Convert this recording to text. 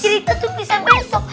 cerita tuh bisa besok